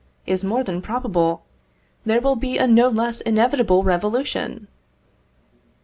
is more than probable, there will be a no less inevitable revolution?